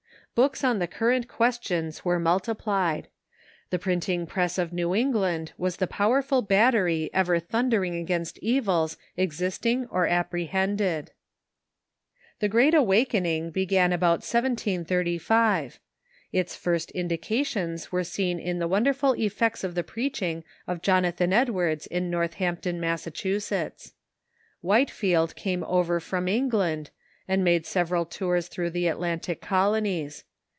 Books on the current ques tions were multiplied. The printing press of New England was the powerful battery ever thundering against evils exist ing or apprehended. The Great Awakening began about 11^5. Its first indica tions were seen in the wonderful effects of the preaching of Jonathan Edwards in Northampton, Massachusetts. iiJ,i,^!,f^l Whiteiield came over from England, and made sev Awakening o ' eral toui's through the Atlantic colonies.